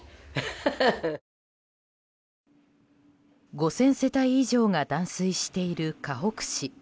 ５０００世帯以上が断水している、かほく市。